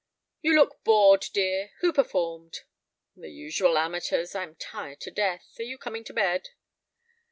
"You look bored, dear. Who performed?" "The usual amateurs. I am tired to death; are you coming to bed?"